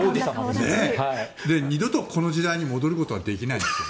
二度とこの時代に戻ることはできないわけです。